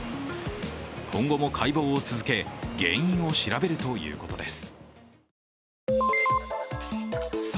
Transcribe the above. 今後も解剖を続け原因を調べるということです。